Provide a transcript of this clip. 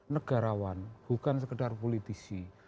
negarawan bukan sekedar politisi